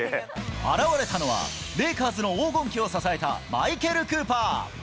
現れたのは、レイカーズの黄金期を支えたマイケル・クーパー。